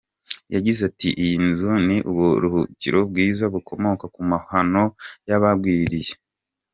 Yagize ati “ Iyi nzu ni uburuhukiro bwiza bukomoka ku mahano yabagwiririye “.